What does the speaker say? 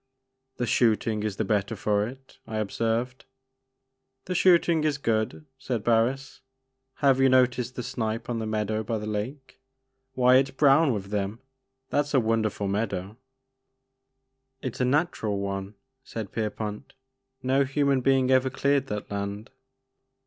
" The shooting is the better for it," I observed. "The shooting is good," said Barris, "have you noticed the snipe on the meadow by the lake ? Why it *s brown with them I That 's a wonderful meadow." It *s a natural one," said Pierpont, "no human being ever cleared that land."